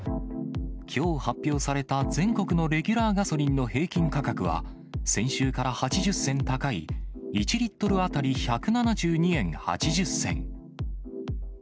きょう発表された全国のレギュラーガソリンの平均価格は、先週から８０銭高い、１リットル当たり１７２円８０銭。